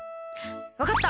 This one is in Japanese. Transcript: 分かった！